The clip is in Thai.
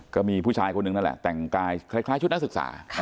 ก็มีผู้ชายคนหนึ่งนั่นแหละแต่งกายคล้ายชุดนักศึกษา